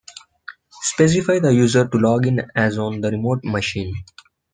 Specify the user to log in as on the remote machine.